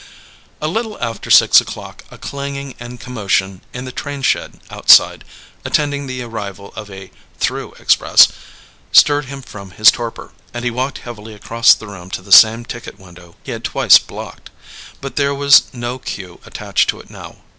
A little after six o'clock a clanging and commotion in the train shed outside, attending the arrival of a "through express," stirred him from his torpor, and he walked heavily across the room to the same ticket window he had twice blocked; but there was no queue attached to it now.